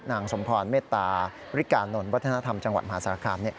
สมพรเมตตาริกานนท์วัฒนธรรมจังหวัดมหาสารคาม